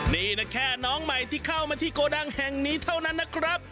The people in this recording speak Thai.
นี่นะแค่น้องใหม่ที่เข้ามาที่โกดังแห่งนี้เท่านั้นนะครับ